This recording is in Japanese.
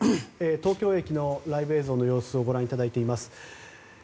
東京駅のライブ映像をご覧いただいています。